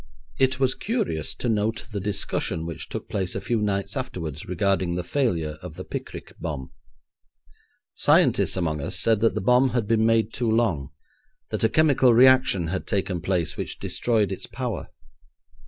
It was curious to note the discussion which took place a few nights afterwards regarding the failure of the picric bomb. Scientists among us said that the bomb had been made too long; that a chemical reaction had taken place which destroyed its power.